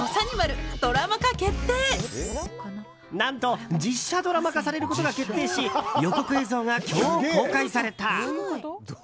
何と実写ドラマ化されることが決定し予告映像が今日、公開された。